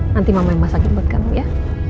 nanti mama yang masakin buat kamu ya